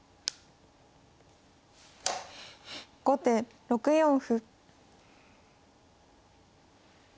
後手６四歩。